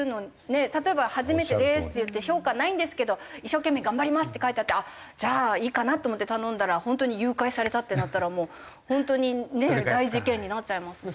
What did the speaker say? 例えば「初めてです」っていって「評価ないんですけど一生懸命頑張ります」って書いてあってあっじゃあいいかなって思って頼んだら本当に誘拐されたってなったらもう本当にね大事件になっちゃいますし。